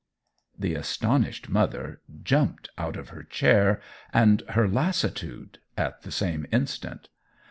The astonished mother jumped out of her chair and her lassitude at the same instant.